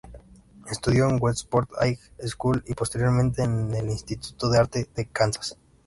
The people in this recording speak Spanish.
Estudió en Westport High School y posteriormente en el Instituto de Arte de Kansas.